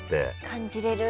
感じれる。